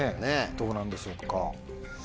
どうなんでしょうか。